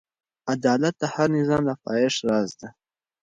عدالت د هر نظام د پایښت راز دی.